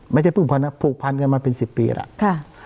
ไม่ใช่ผูกพันนะผูกพันกันมาเป็น๑๐ปีแล้ว